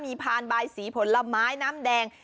มีพานบายสีผลไม้น้ำแดง